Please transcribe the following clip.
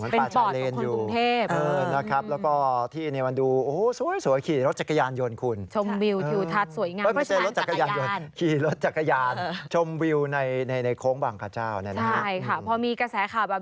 เป็นปอดของคุณภูมิแทบ